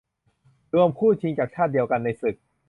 รวมคู่ชิงจากชาติเดียวกันในศึก